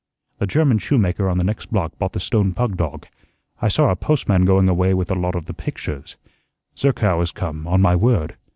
The German shoe maker on the next block bought the stone pug dog. I saw our postman going away with a lot of the pictures. Zerkow has come, on my word!